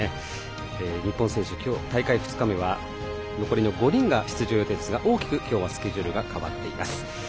日本選手、大会２日目は残りの５人が出場予定でしたが大きくスケジュールが変わっています。